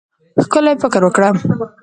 ښکلی فکر وکړه.